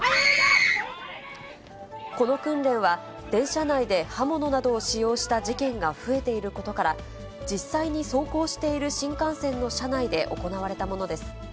この訓練は、電車内で刃物などを使用した事件が増えていることから、実際に走行している新幹線の車内で行われたものです。